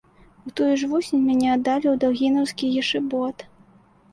У тую ж восень мяне аддалі ў даўгінаўскі ешыбот.